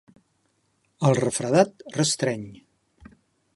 El refredat restreny.